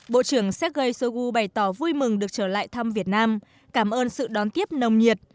bộ trưởng sergei shoigu bày tỏ vui mừng được trở lại thăm việt nam cảm ơn sự đón tiếp nồng nhiệt